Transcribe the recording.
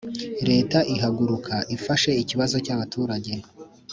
leta ihaguruka ifashe ikibazo cyaba turajye